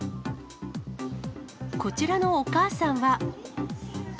こちらのお母さんは。